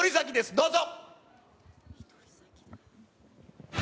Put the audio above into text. どうぞ。